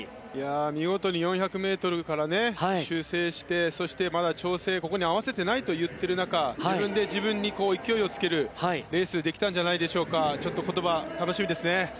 見事に４００ｍから修正してそして、まだ調整ここに合わせていないと言っている中自分で自分に勢いをつけるレースができたんじゃないですか。